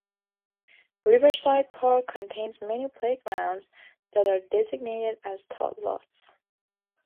Riverside Park contains many playgrounds that are designated as "Tot Lots".